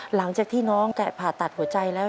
หลังจากที่น้องแกะผ่าตัดหัวใจแล้ว